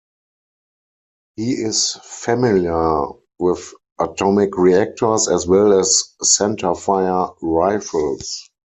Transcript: He is familiar with atomic reactors as well as centerfire rifles.